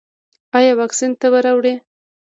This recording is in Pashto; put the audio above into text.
ایا واکسین تبه راوړي؟